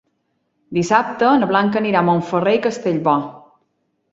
Dissabte na Blanca anirà a Montferrer i Castellbò.